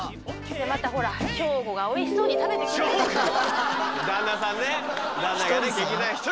またほら省吾が省吾がおいしそうに食べてくれるから。